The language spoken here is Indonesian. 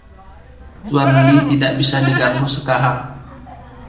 Tuan Lee tidak bisa diganggu sekarang.